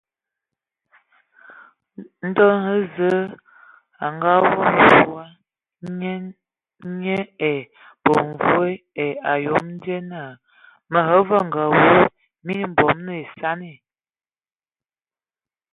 Ndo hm Zǝe a abwi fǝg, nye ai bemvoe ai ayom die naa: Mǝ avenge awu, mii bom esani.